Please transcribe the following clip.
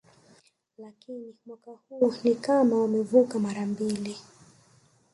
Lakini mwaka huu ni kama wamevuka mara mbili